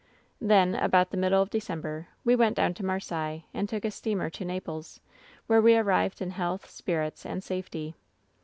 "Then, about the middle of December, we went down to Marseilles, and took a steamer to Naples, where we arrived in health, spirits and safety.